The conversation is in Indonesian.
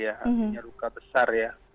hanya luka besar ya